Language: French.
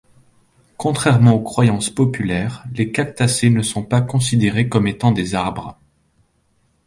Contrairement aux croyances populaires, les Cactacées ne sont pas considérés comme étant des arbres.